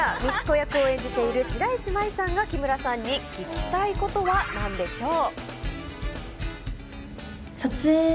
役を演じている白石麻衣さんが木村さんに聞きたいことは何でしょう？